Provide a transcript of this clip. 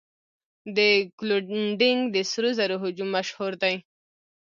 د کلونډیک د سرو زرو هجوم مشهور دی.